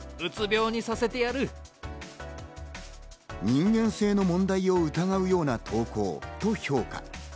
人間性の問題を疑うような投稿と評価。